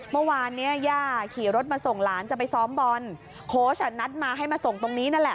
เมื่อวานเนี้ยย่าขี่รถมาส่งหลานจะไปซ้อมบอลโค้ชอ่ะนัดมาให้มาส่งตรงนี้นั่นแหละ